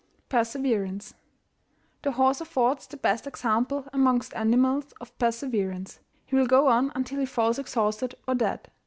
PERSEVERANCE. The horse affords the best example amongst animals of perseverance: he will go on until he falls exhausted or dead.